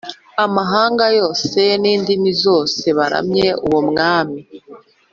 amahanga yose n indimi zose baramye uwo mwami